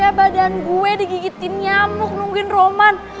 ya badan gue digigitin nyamuk nungguin roman